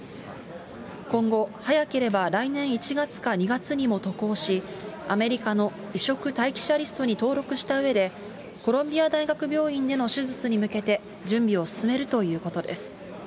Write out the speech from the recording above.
今後、早ければ来年１月か２月にも渡航し、アメリカの移植待機者リストに登録したうえで、コロンビア大学病院での手術に向けて、準備を進めるということです。